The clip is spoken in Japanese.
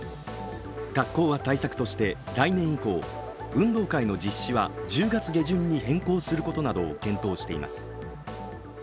学校は対策として、来年以降、運動会の実施は１０月下旬に変更することなどを検討しています